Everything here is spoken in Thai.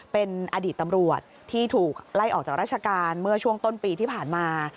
เป็นอดีตตำรวจที่ถูกไล่ออกจากราชการเมื่อช่วงต้นปีที่ผ่านมา